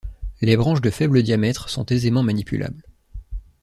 Les branches de faible diamètre sont aisément manipulables.